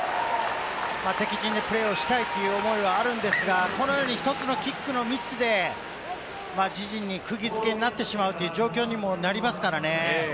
敵陣でプレーをしたいという思いはあるんですが、このように１つのキックのミスで自陣に釘付けになってしまうという状況にもなりますからね。